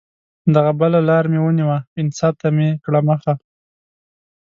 دغه بله لار مې ونیوه، انصاف ته مې کړه مخه